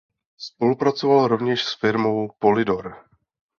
Spolupracoval rovněž s firmou Polydor.